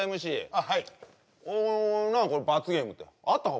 あはいおお何これこの罰ゲームってあったか？